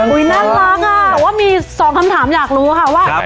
น่ารักอ่ะแต่ว่ามีสองคำถามอยากรู้ค่ะว่า